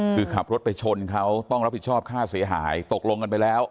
คือขับรถไปชนเขาต้องรับผิดชอบค่าเสียหายตกลงกันไปแล้ว